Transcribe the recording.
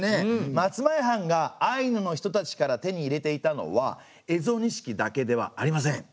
松前藩がアイヌの人たちから手に入れていたのは蝦夷錦だけではありません。